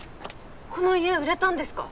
この家売れたんですか？